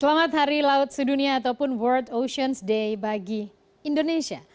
selamat hari laut sedunia ataupun world oceans day bagi indonesia